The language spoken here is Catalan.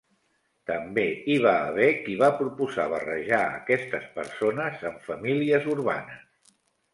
També hi va haver qui va proposar barrejar a aquestes persones amb famílies urbanes.